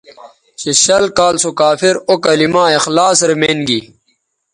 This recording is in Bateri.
چہ شل کال سو کافر کہ او کلما اخلاص رے مین گی